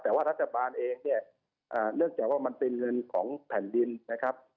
แต่ว่ารัฐบาลเองเนี่ยเนื่องจากว่ามันเป็นเงินของแผ่นดินนะครับ